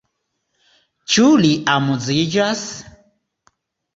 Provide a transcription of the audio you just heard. Ĉu li amuziĝas?